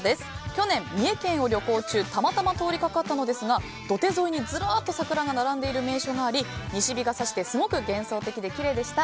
去年、三重県を旅行中たまたま通りかかったのですが土手沿いにずらっと桜が並んでいる名所があり西日が差してすごく幻想的できれいでした。